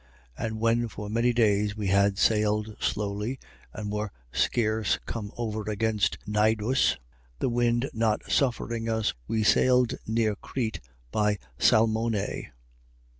27:7. And when for many days we had sailed slowly and were scarce come over against Gnidus, the wind not suffering us, we sailed near Crete by Salmone.